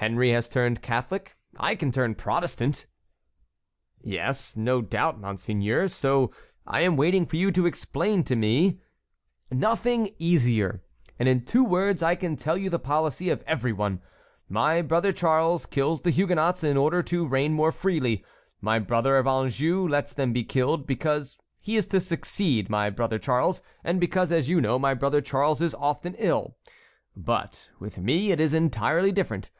Henry has turned Catholic; I can turn Protestant." "Yes, no doubt, monseigneur; so I am waiting for you to explain to me"— "Nothing is easier; and in two words I can tell you the policy of every one. My brother Charles kills the Huguenots in order to reign more freely. My brother of Anjou lets them be killed because he is to succeed my brother Charles, and because, as you know, my brother Charles is often ill. But with me it is entirely different.